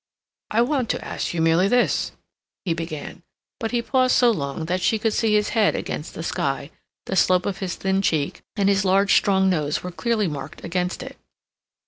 "I want to ask you merely this," he began. But he paused so long that she could see his head against the sky; the slope of his thin cheek and his large, strong nose were clearly marked against it.